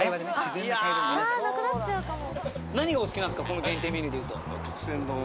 この限定メニューでいうと。